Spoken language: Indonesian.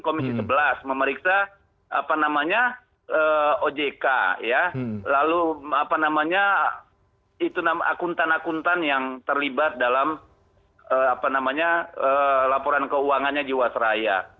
komisi sebelas memeriksa ojk lalu akuntan akuntan yang terlibat dalam laporan keuangannya di wasraya